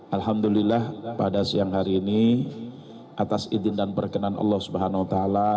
alhamdulillah pada siang hari ini atas izin dan perkenan allah swt